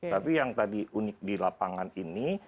tapi yang tadi unik di lapangan ini